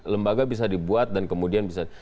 lembaga bisa dibuat dan kemudian bisa